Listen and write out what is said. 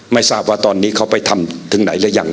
ไม่ทราบว่าตอนนี้เขาไปทำถึงไหนหรือยัง